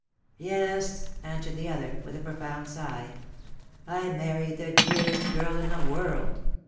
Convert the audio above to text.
" Yes," answered the other with a profound sigh, " I married the dearest girl in the world.